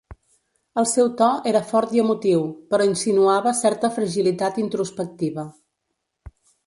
El seu to era fort i emotiu, però insinuava certa fragilitat introspectiva.